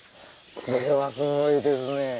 これはすごいですね。